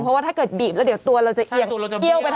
เพราะว่าถ้าเกิดบีบแล้วเดี๋ยวตัวเราจะเยี่ยม